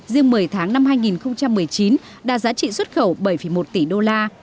riêng một mươi tháng năm hai nghìn một mươi chín đạt giá trị xuất khẩu bảy một tỷ đô la